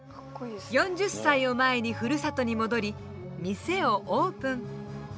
４０歳を前にふるさとに戻り店をオープン。